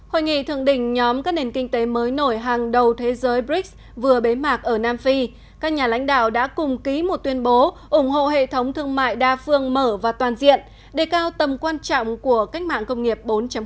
hội nghị thượng đỉnh nhóm các nền kinh tế mới nổi hàng đầu thế giới brics vừa bế mạc ở nam phi các nhà lãnh đạo đã cùng ký một tuyên bố ủng hộ hệ thống thương mại đa phương mở và toàn diện đề cao tầm quan trọng của cách mạng công nghiệp bốn